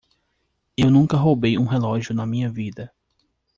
Eu nunca roubei um relógio na minha vida.